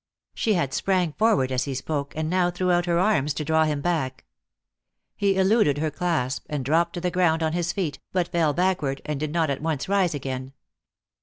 She had sprang forward as he spoke, and now threw out her arms to draw him back. He eluded her clasp, and dropped to the ground on his feet, but fell backward, and did not at once rise again.